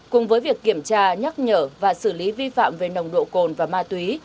cùng với việc kiểm tra nhắc nhở và xử lý vi phạm về nồng độ cồn và ma túy